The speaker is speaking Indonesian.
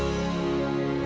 panti asuhan mutiara bunda